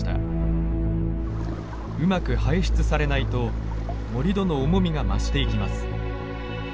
うまく排出されないと盛土の重みが増していきます。